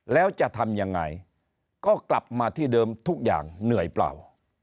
แล้วจะทำยังไงก็กลับมาที่เดิมทุกอย่างเหนื่อยเปล่า